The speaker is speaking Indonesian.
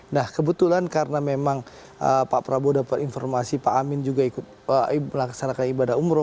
nah kebetulan karena memang pak prabowo dapat informasi pak amin juga ikut melaksanakan ibadah umroh